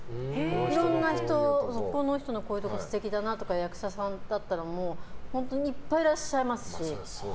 いろんな人、この人のこういうところ素敵だなとか役者さんだったら、本当にいっぱいいらっしゃいますし。